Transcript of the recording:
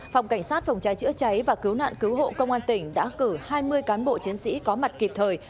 phòng cảnh sát phòng cháy chữa cháy và cứu nạn cứu hộ công an tỉnh đã cử hai mươi cán bộ chiến sĩ có mặt kịp thời